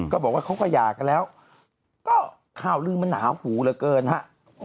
บอกว่าเขาก็หย่ากันแล้วก็ข่าวลืมมันหนาหูเหลือเกินฮะ